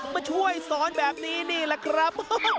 มาช่วยสอนแบบนี้นี่แหละครับ